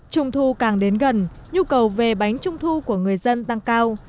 trung thu càng đến gần nhu cầu về bánh trung thu của người dân tăng cao